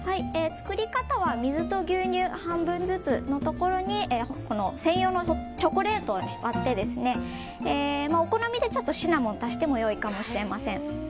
作り方は水と牛乳半分ずつのところに専用のチョコレートを割ってお好みでシナモンを足しても良いかもしれません。